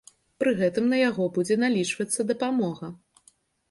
Пры гэтым на яго будзе налічвацца дапамога.